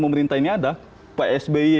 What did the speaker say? pemerintah ini ada psby